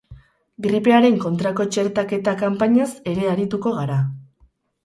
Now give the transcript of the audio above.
Gripearen kontrako txertaketa kanpainaz ere arituko gara.